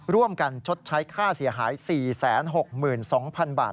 ร่วมกันชดใช้ค่าเสียหาย๔๖๒๐๐๐บาท